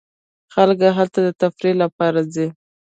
خلک هلته د تفریح لپاره ځي.